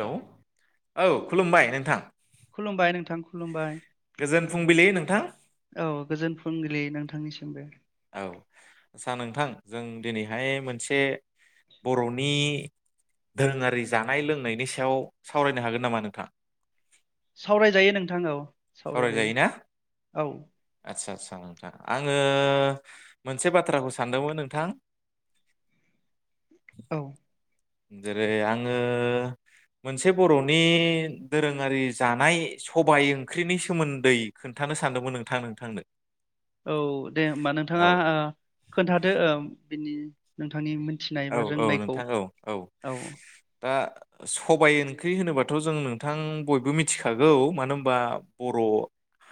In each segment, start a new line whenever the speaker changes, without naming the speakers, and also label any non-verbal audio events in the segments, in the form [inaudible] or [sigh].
लौ
औ
औ खुलुमबाय। नोंथां
खुलुमबाय नोंथां खुलुमबाय।
गोजोन फुंबिलि नोंथां।
थांनिसिमबो।
औ आचसा नोंथां जों दिनैहाय मोनसे बर'नि धोनआरि जानाय लोंनायनि सायाव सावरायनो हागोन नामा नोंथां?
सावरायजायो नोंथां औ सावरायजायो औ
थां नोंथां आङो मोनसे बाथ्राखौ सानदोंमोन नोंथां।
औ
जेरै आङो मोनसे बर'नि दोरोङारि जानाय सबाय ओंख्रिनि सोमोन्दै खोन्थानो सानदोंमोन नोंथां नोंथांनो।
औ दे होमबा
औ
नोंथाङा ओ खोन्थादो ओ बिनि नोंथांनि मोन
औ औ नोंथां औ औ दा सबाय ओंख्रि होनोबाथ' जों नोंथां बयबो मिथिखागौ मानो होनबा बर'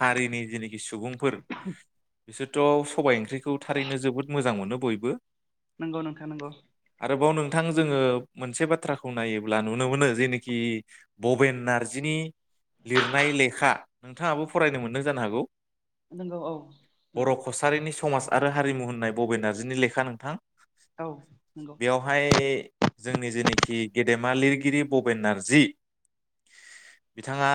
हारिनि जेनोखि सुबुंफोर बिसोरथ' सबायाइ ओंख्रिखौ थारैनो जोबोद मोजां मोनो बयबो
नंगौ नंखा नंगौ
आरोबाव नोंथां जोङो मोनसे बाथ्राखौ नायोब्ला नुनो मोनो जेनोखि बबेन नार्जिनि लिरनाय लेखा नोंथाङाबो फरायनो मोनदों जानो हागौ
नंगौ औ
बर'
नंगौ
कसारिनि समाज आरो हारिमु होननाय भबेन नार्जिनि लेखा नोंथां
औ नंगौ
बेवहाय जोंनि जेनोखि गेदेमा लिरगिरि भबेन नारजि बिथाङा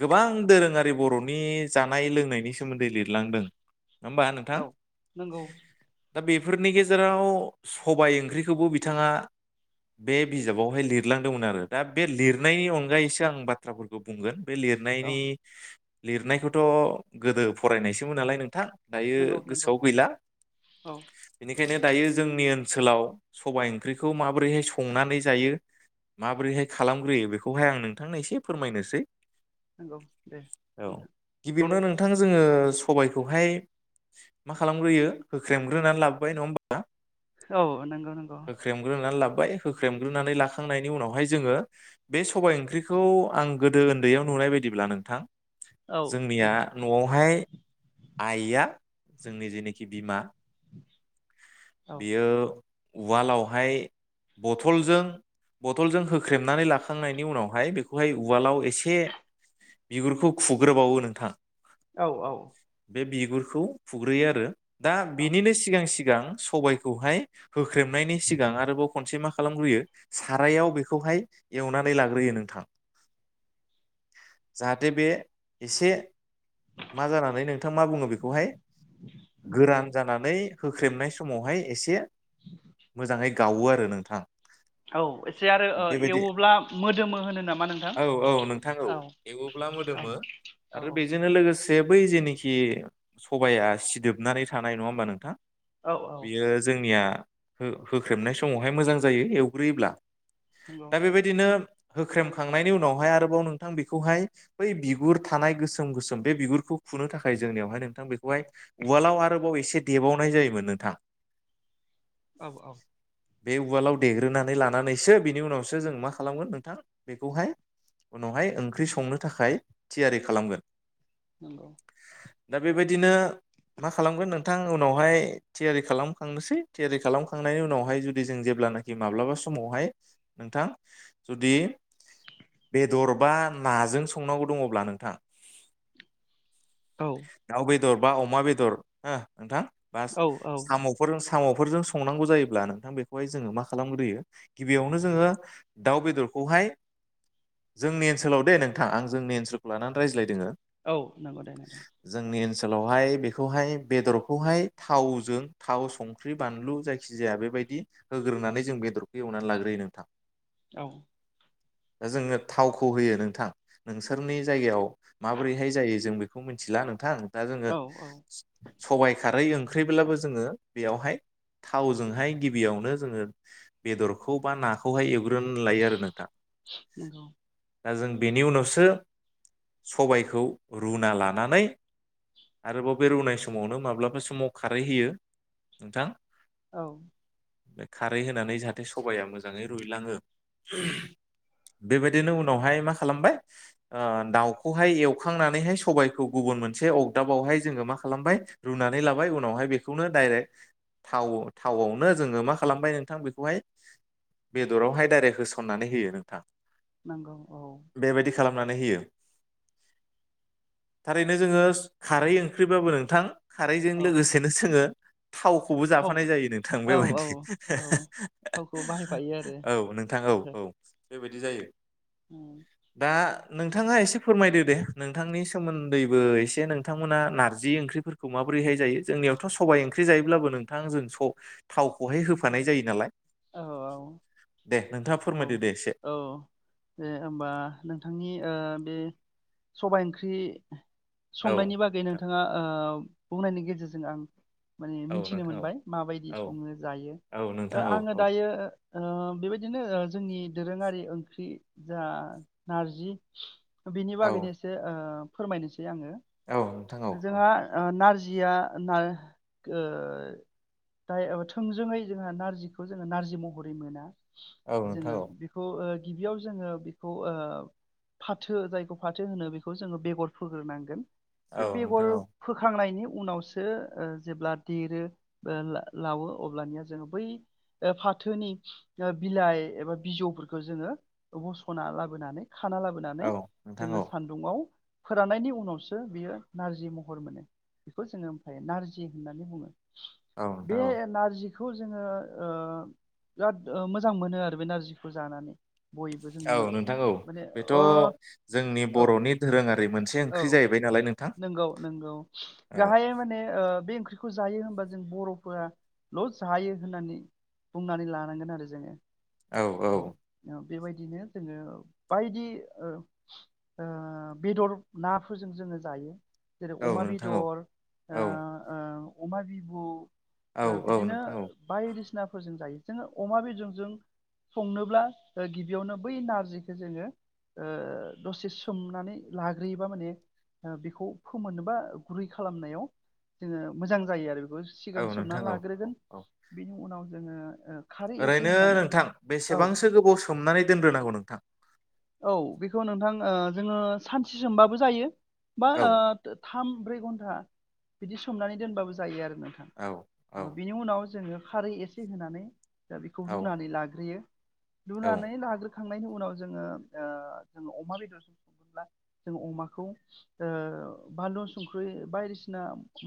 गोबां दोरोङारि बर'नि जानाय लोंनायनि सोमोन्दै लिरलांदों होमबा नोंथां
औ नंगौ
बे फोरनि गेजेराव सबाय ओंख्रिखौबो बिथाङा बे बिजाबावहाय लिरलांदोंमोन आरो दा बे लिरनायनि अनगायैसो आं बाथ्राफोरखौ बुंगोन बे
औ
लिरनायनि लिरनायखौथ' गोदो फरायनायसोमोन नालाय नोंथां
नंगौ
दायो
नंगौ
गोसोआव गैला
औ
बेनिखायनो दायो जोंनि ओनसोलाव सबायाइ ओंख्रिखौ माबोरैहाय संनानै जायो माबोरैहाय खालामग्रोयो बेखौहाय आं नोंथांनो एसे फोरमायनोसै।
नंगौ दे नोंथां।
थांनो जोंङो सबायखौहाय मा खालामग्रोयो होख्रेमग्रोनानै लाबोबाय नङा होमबा। [inaudible]
औ नंगौ नंगौ
खाय होख्रेमग्रोनानै लाखांनायनि उनावहाय जोङो बे सबाय ओंख्रिखौ आं गोदो उन्दैयाव नुनाय बायदिब्ला नोंथां
औ
जोंनिया
नोंथां
नआवहाय आइआ जोंनि जेनोखि बिमा
औ
बियो- उवालावहाय बथलजों बथलजों होख्रेमनानै लाखांनायनि उनावहाय बेखौहाय उवालाव एसे बिगुरखौ खुग्रोबावो नोंथां।
औ औ
बे बिगुरखौ फुग्रोयो आरो दा
औ
बिनिनो सिगां सिगां सिगां सबबायखौहाय होख्रेमनायनि सिगां आरोबाव खनसे मा खालामग्रोयो सारायाव बेखौहाय एवनानै लाग्रोयो नोंथां जाहाथे बे एसे मा जानानै नोंथां मा बुङो बेखौहाय गोरान जानानै होख्रेमनाय समावहाय एसे मोजाङै गावो आरो नोंथां।
औ एसे आरो
बेबायदि
एवोब्ला मोदोमो होनो नामा नोंथां
औ औ नोंथां
औ
एवोब्ला
औ औ
जे बै जेनिखि सबाया सिदोबनानै थानाय नङा होमबा नोंथां।
औ औ
बेयो जोंनिया होख्रेबनाय समावहाय मोजां जायो एवग्रोयोब्ला।
नंगौ
दा बेबायदिनो होख्रेमखांनायनि उनावहाय आरोबाव नोंथां बेखौहाय बै बिगुर थानाय गोसोम गोसोम बे बिगुरखौ खुनो थाखाय जोंनियावहाय नोंथां बेखौहाय उवाल्डआव आरोबाव एसे देबावनाय जायो मोन नोंथां।
औ औ
बे उवालाव देग्रोनानै लानानैसो बिनि उनावसो जों मा खालामगोन नोंथां बेखौहाय उनावहाय ओंख्रि संनो थाखाय थियारि खालामगोन।
नोंगौ।
दा बेबायदिनो मा खालामगोन नोंथां उनावहाय थियारि खालामखांनोसै थियारि खालामखांनायनि उनावहाय जुदि जों जेब्लानाखि माब्लाबा समावहाय नोंथां जुदि बेदर बा नाजों संनांगौ दङब्ला नोंथां
औ
दर बा अमा बेदर हो नोंथां।
औ औ
साम फोर साम फोरजों संनांगौ जायोब्ला नोंथां बेखौहाय जोङो मा खालामग्रोयो गिबियावनो जोङो दाउ बेदरखौहाय जोंनि ओनसोलाव दै नोंथां आं जोंनि ओनसोलखौ लानानै रायज्लायदोङो।
औ नंगौ दे नोंथां।
सोलावहाय बेखौहाय बेदरखौहाय थावजों थाव संख्रि बानलु जायखि जाया बेबायदि होग्रोनानै जों बेदरखौ एवनानै लाग्रोयो नोंथां।
औ
दा जोङो थावखौ होयो नोंथां नोंसोरनि जायगायाव माबोरैहाय जायो जों बेखौ मिथिला नोंथां। दा जोंङो
औ औ
सबबाय खारै ओं ख्रिब्लाबो जोङो बेयावहाय थावजोंहाय गिबियावनो जोङो बेदरखौ बा नाखौहाय एव ग्रोन लायो आरो नोंथां।
नंगौ
दा जों बेनि उनावसो सबायखौ रुना लानानै आरोबाव बे रुनाय समावनो माब्लाबा समाव खारै होयो नोंथां
औ
खारै होनानै जाहाथे सबाया मोजाङै रुइलाङो बेबायदिनो उनावहाय मा खालामबाय ओ दाउखौहाय एवखांनानैहाय सबाइखौ गुबुन मोनसे अगदाबावहाय जोङो मा खालामबाय रुनानै लाबाय उनावहाय बेखौनो डायरेक्ट थाव थावआवनो जोङो मा खालामबाय नोंथां बेखौहाय बेदरावहाय डाइरेक्ट होसननानै होयो नोंथां
नंगौ औ
बेबायदि खालामनानै होयो। थारैनो जोङो खारै ओंख्रिबाबो नोंथां। खारैजों
औ
लोगोसे जोङो थावखौबो जाफानाय
थावबो
जायो नोंथां
औ औ
बेबायदि
औ थावखौ बाहायफायो
औ नोंथां औ
आरो
औ बेबायदि जायो दा नोंथाङा एसे फोरमायदो दे नोंथांनि सोमोन्दैबो एसे नोंथांमोना नारजि ओंख्रिफोरखौ माबोरैहाय जायो। जोंनियावथ सबायाइ ओंख्रि जायोब्लाबो नोंथां जों स थावखौहाय होफानाय जायो नालाय।
औ
दे नोंथाङा
औ
फोरमायदो दे एसे
औ दे होमबा नोंथांनि ओ बे सबाय ओंख्रि
औ
संनायनि बागै नोंथाङा ओ बुंनायनि गेजेरजों आं माने मिथिनो
नोंथां औ नोंथां औ
मोनबाय माबायदि
औ
सङो जायो
औ
ओ
नोंथां औ
आङो
औ
दायो ओ बेबायदिनो जोंनि दोरोङारि ओंख्रि जा नारजि बिनि
औ
बागैनो एसे ओ फोरमायनोसै
औ नोंथां औ
[unintelligible]
औ
जोंहा नारजि या [unintelligible] थोंजोै जोंहा नारजि बेखौ जोङो नारजि महरै मोना
औ नोंथां
जोङो
औ
बेखौ गिबियाव जोङो बेखौ ओ फाथो जायखौ फाथो होनो बेखौ जोङो बेगर फोग्रोनांगोन बे
औ
बेगर
नोंथां औ
फोखांनायनि उनावसो जेब्ला देरो लवो अब्लानिया जोङो बै फाथोनि बिलाइ एबा बिजौफोरखौ जोङो बसना लाबोनानै खाना लाबोनानै
औ नोंथां
जोङो
औ
सान्दुंङाव फोराननायनि उनावसो बियो नारजि महर मोनो बेखौ जोङो ओमफ्राय नारजि होननानै बुङो।
औ नोंथां
बे
औ
नारजि खौ जोङो ओ बिराद ओ मोजां मोनो आरो बे नारजिखो जानानै बयबो
औ
जोंनि
नोंथां औ
माने
बेथ'
ओ
जोंनि
औ
बर'नि धोरोङारि मोन
औ नोंगौ नोंगौ
औ
गाहायै माने बे ओं- ख्रिखौ जायो होनबा जों बर'फोराल' जायो होननानै बुंनानै लानांगोन आरो जोङो
औ औ
औ बेबायदिनो जोङो बायदि ओ-ओ बेदर नाफोरजों जोङो जायो। जेरै
औ
अमा बेदर
नोंथां औ
ओ -
औ
ओ अमा बिबु
औ
ओ
औ
बिदिनो
नोंथां औ
बायदिसिना फोरजों जायो जोङो अमा मेजेमजों संनोब्ला ओ गिबियावनो बै नारजिखो जोङो ओ दसे सोमनानै लाग्रोयोबा माने ओ बेखौ फोमोननो बा गुरै खालामनायाव जोङो मोजां जायो आरो [unintelligible]
औ
सिगां सोमना
नोंथां औ औ
लाग्रोगोन
औ
बेनि उनाव जोङो ओ खारै एसे
ओरैनो
होनानै
नोंथां
औ
बेसेबांसो गोबाव सोमनानै दोनग्रोनांगौ नोंथां
औ बिखौ नोंथां ओ जोङो सानसे सोमबाबो जायो बा
औ
[unintelligible] थाम ब्रै घन्टा बिदि सोमनानै दोनबाबो जायो आरो नोंथां
औ औ
ओ बिनि उनाव जोङो खारै एसे होनानै दा बेखौ
औ
रुनानै लाग्रोयो रुनानै लाग्रो। खांनायनि उनाव जोङो ओ जोंङो अमा बेदर संङोब्ला जों अमाखौ ओ बानलु संख्रै बायदिसिना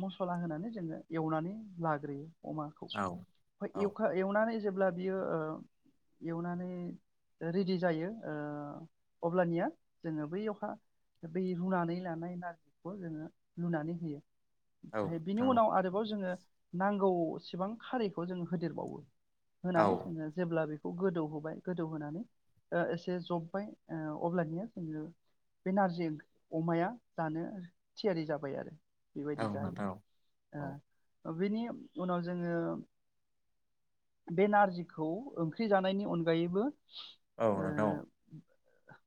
मसला होनानै जोङो एवनानै लाग्रोयो।
औ
[unintelligible] जेब्ला बियो ओ एवनानै रेदि जायो ओ अब्लानिया जोङो बैयावहा बै रुनानै लानाय नारजिखो जोङो लुनानै होयो।
औ
हे बिनि
नोंथां
उनाव आरोबाव जोङो नांगौसिबां खारैखौ जों होदेरबावो
औ
होनानै जोङो जेब्ला बे खौ गोदौहोबाय गोदौहोनानै ओ एसे जब्बाय ओ अब्लानिया जोङो बे नारजि ओंख अमाया जानो थियारि जाबाय आरो।
औ
बेबायदि जायो
नोंथां औ
ओ ओ बेनि उनाव जोङो बे नारजिखौ ओंख्रि जानायनि अनगायैबो
औ
ओ।
नोंथां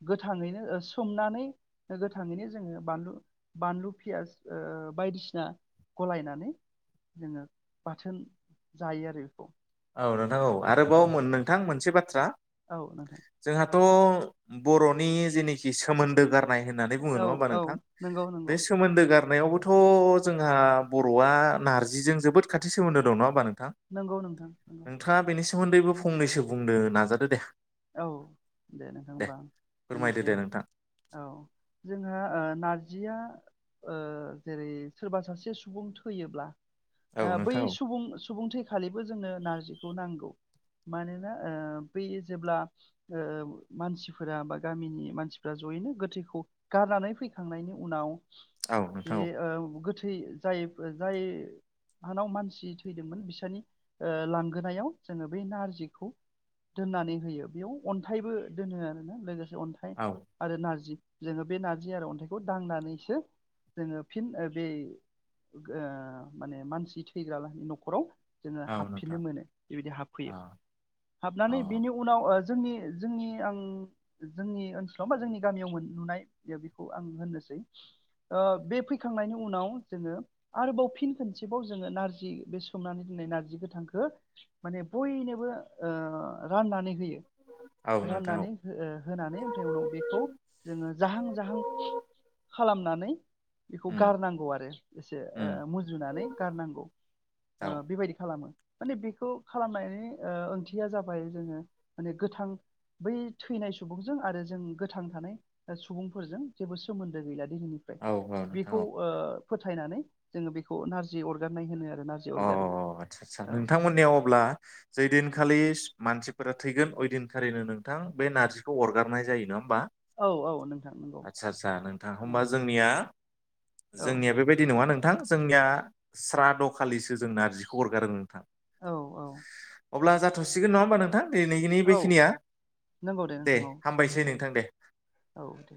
गोथाङैनो सोमनानै गोथाङैनो जोङो बानलु बानलु पियास ओ बायदिसिना गलायनानै जोङो बाथोन जायो आरो बेखौ
ओ नों औ आरोबाव मोन नोंथां मोनसे बाथ्रा। थ्रा
औ नोंथां।
थ' बर'नि जेनेखि सोमोन्दोगार नाय होननानै बोङो
औ
नङा होमबा
औ
नोंथां
नंगौ नंगौ
बे सोमोनदो गार नायावबोथ' जोंहा बर'आ नारजिजों जोबोद खाथि सोमोन्दो दं नङा हानबा नों
नंगौ। थां नंगौ।
सोमोन्दैबो फंनैसो बुंनो नाजादो दे
औ दे नोंथां होनबा
फोरमायदो
होननोसै
दे
औ
नोंथां
औ जोंहा ओ नारजि जिया ओ जेरै सोरबा सासे सुबुं थैयोब्ला।
औ
ओ बै
नोंथां औ
सुबुं सुबुं थै खालिबो जोंनो नारजिखौ नांगौ मानोना ओ बि जेब्ला ओ मानसिफोरा बा गामिनि मानसिफ्रा जयैनो गोथैखौ गारनानै फैखांनायनि उनाव।
औ
बे
नोंथां
औ गोथै जाय जाय हानाव मानसि थैदोंमोन बिसोरनि ओ लांगोनायाव जोङो बे नारजिखौ दोननानै। होयो बेयाव अन्थाइबो दोनो आरोना लोगोसे। अन्थाइ
औ
आरो नारजि जोङो बे नारजि आरो अन्थाइखौ दांनानैसो जोङो फिन बे ओ माने मानसि थैग्रा लाहानि न'खराव जोङो
औ
हाबफिननो
नोंथां
मोनो बेबायदि
औ
हाबफैयो
औ
हाबनानै बेनि उनाव जोंनि जोंनि आं जोंनि ओनसोलाव बा जोंनि गामियाव मोन नुनाय बेखौ आं होननोसै ओ बे फैखांनायनि उनाव जोङो आरोबाव फिन खनसेबाव जोङो नारजि बे सोमनानै दोननाय नारजि गोथांखौ माने बयनोबो ओ राननानै होयो
औ नोंथां औ
राननानै ओ होनानै ओमफ्राय उनाव बेखौ जोङो जाहां जाहां खालाम नानै बेखौ
उम
गारनांगौ आरो एसे
उम
मुजुनानै गारनांगौ ओ
औ
बेबायदि खालामो माने बेखौ खालामनायनि ओ ओंथिया जाबाय बाय जोङो माने गोथां बै थैनाय सुबुंजों आरो जों गोथां थानाय ओ सुबुंफोरजों जेबो सोमोन्दो गैला दैनिफ्राय
औ औ नोंथां
बेखौ
औ
ओ फोथायनानै जोङो बेखौ नारजि अरगारनाय होनो आरो नारजि
औ औ
अरगारो
औ आदसा आदसा
औ
नोंथांमोननियाव अब्ला जैदिनखालि मानसिफोरा थैगोन अयदिनखालिनो नोंथां बे नारजिखौ अरगारनाय जायो नङा मा
औ औ नोंथां नंगौ
आदसा आदसा नोंथां
औ
होमबा जोंनिया
औ
जोंनिया बेबायदि नङा नों नोंथां जोंनिया स्राद' खालिसो जों नारजिखौ हरगारो नोंथां
औ औ
अब्ला जाथ'सिग नङा होनबा नोंथां दिनैनि
औ
बेखिनिया
नंगौ
दे
नोंथां
हामबायसै
औ
नोंथां दे।
औ दे